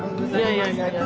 いやいや。